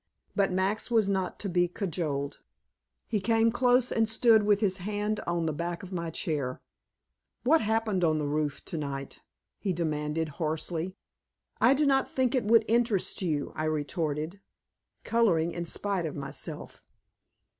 But Max was not to be cajoled. He came close and stood with his hand on the back of my chair. "What happened on the roof tonight?" He demanded hoarsely. "I do not think it would interest you," I retorted, coloring in spite of myself.